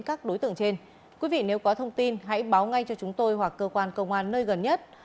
các đối tượng trên quý vị nếu có thông tin hãy báo ngay cho chúng tôi hoặc cơ quan công an nơi gần nhất